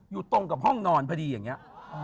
อยู่ตรงกับห้องนอนพอดีอย่างนี้